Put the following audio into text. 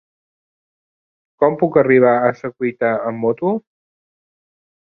Com puc arribar a la Secuita amb moto?